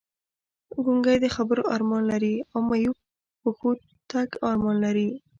ګونګی د خبرو ارمان لري او معیوب پښو تګ ارمان لري!